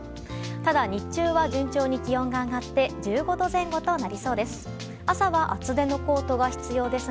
ただ日中は順調に気温が上がって１５度前後となりそうです。